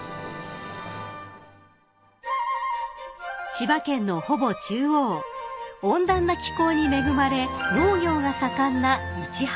［千葉県のほぼ中央温暖な気候に恵まれ農業が盛んな市原市］